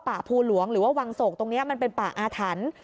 ภูหลวงหรือว่าวังโศกตรงนี้มันเป็นป่าอาถรรพ์